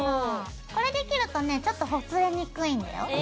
これで切るとねちょっとほつれにくいんだよ。